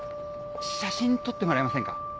写真撮ってもらえませんか？